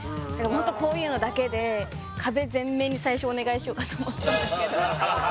ホントこういうのだけで壁全面に最初お願いしようかと思ったんですけど